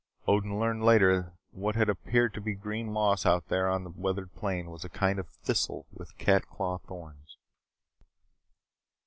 Odin learned later that what had appeared to be green moss out there on the weathered plain was a kind of thistle with cat claw thorns.